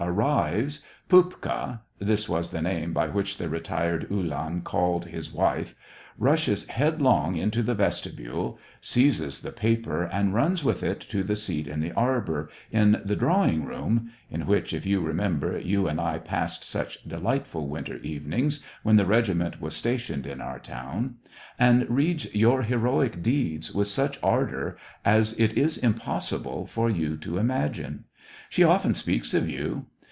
SEVASTOPOL IN MAY. 41 the name by which the retired uhlan called his wife) rushes headlong into the vestibule, seizes the paper, and runs with it to the seat in the arbor, in the draiviiig room (in which, if you remember, you and I passed such delightful winter evenings when the regiment was stationed in our town), and reads your heroic deeds with such ardor as it is impossible for you to imagine. She often speaks of you.